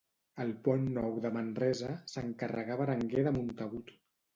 El Pont Nou de Manresa s'encarregà a Berenguer de Montagut